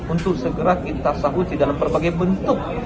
untuk segera kita sahuti dalam berbagai bentuk